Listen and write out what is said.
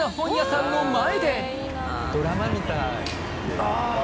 ドラマみたい。